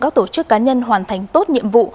các tổ chức cá nhân hoàn thành tốt nhiệm vụ